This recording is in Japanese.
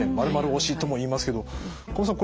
○推しとも言いますけど加茂さん